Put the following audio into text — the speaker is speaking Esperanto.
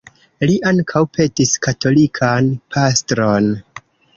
Li ankaŭ petis katolikan pastron.